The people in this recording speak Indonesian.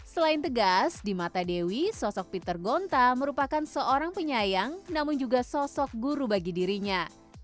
selain tegas di mata dewi sosok peter gonta merupakan seorang penyayang namun juga sosok guru bagi dirinya